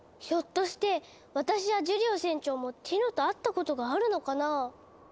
ひょっとして私やジュリオ船長もティノと会ったことがあるのかなぁ。